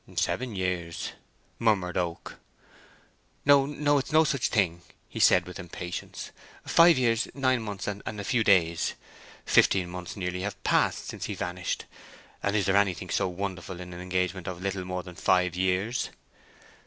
"Seven years," murmured Oak. "No, no—it's no such thing!" he said, with impatience. "Five years, nine months, and a few days. Fifteen months nearly have passed since he vanished, and is there anything so wonderful in an engagement of little more than five years?"